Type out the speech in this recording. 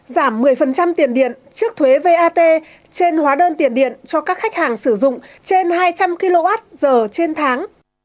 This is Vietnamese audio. giảm một mươi tiền điện trước thuế vat trên hóa đơn tiền điện cho các khách hàng sử dụng trên hai trăm linh kwh trên tháng